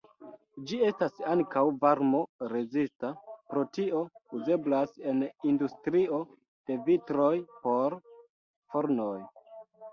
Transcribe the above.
Ĝi estas ankaŭ varmo-rezista, pro tio uzeblas en industrio de vitroj por fornoj.